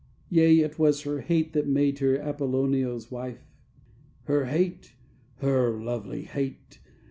Yea, it was her hate That made her Appolonio's wife. Her hate! her lovely hate!